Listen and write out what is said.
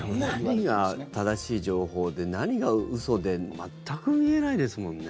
何が正しい情報で何が嘘で全く見えないですもんね。